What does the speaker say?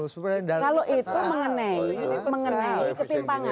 kalau itu mengenai ketimpangan